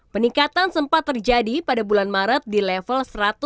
peningkatan sempat terjadi pada bulan maret di level satu ratus delapan puluh dua tiga